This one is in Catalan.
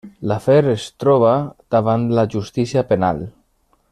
L'afer es troba davant la justícia penal.